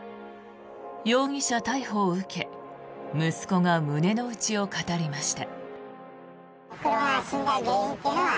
容疑者逮捕を受け息子が胸の内を語りました。